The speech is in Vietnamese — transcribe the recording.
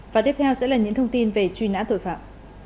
và tiếp theo sẽ là những thông tin về truy nã tội phạm